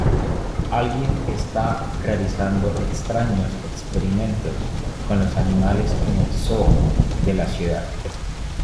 Alguien está realizando extraños experimentos con los animales en el zoo de la ciudad.